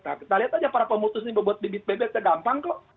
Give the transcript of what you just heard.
nah kita lihat aja para pemutus ini bebot bibit bebet ya gampang kok